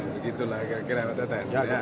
begitulah kira kira pak tete